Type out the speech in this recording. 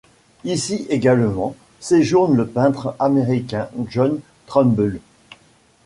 Ici également séjourne le peintre américain John Trumbull.